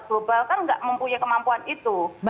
global kan nggak mempunyai kemampuan itu